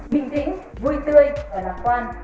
bình tĩnh vui tươi và lạc quan